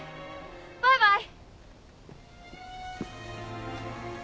バイバイ！